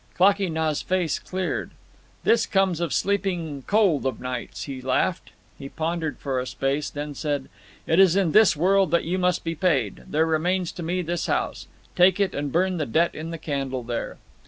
Klakee Nah's face cleared. "This comes of sleeping cold of nights," he laughed. He pondered for a space, then said, "It is in this world that you must be paid. There remains to me this house. Take it, and burn the debt in the candle there."